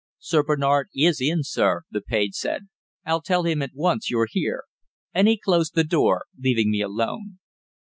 "Sir Bernard is in, sir," the page said. "I'll tell him at once you're here," and he closed the door, leaving me alone.